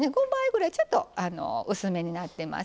ちょっと薄めになってます。